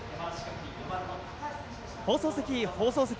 放送席、放送席。